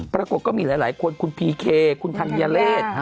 ปรากฏก็มีหลายคนคุณพีเคคุณธัญเลศ